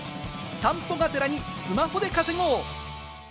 散歩がてらにスマホで稼ごう。